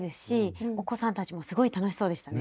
お子さんたちもすごい楽しそうでしたね。